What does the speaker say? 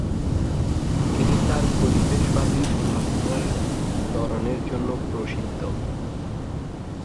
তিনি তার পরিবেশবাদী স্থাপনার ধরনের জন্য প্রসিদ্ধ।